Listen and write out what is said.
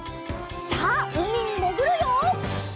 さあうみにもぐるよ！